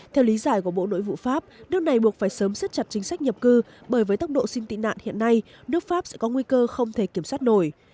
theo lý giải của bộ nội vụ pháp nước này buộc phải sớm siết chặt chính sách nhập cư bởi với tốc độ xin tị nạn hiện nay nước pháp sẽ có nguy cơ không thể kiểm soát nổi